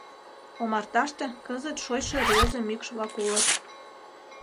Омарташте кызыт шочшо рвезе мӱкш-влак улыт.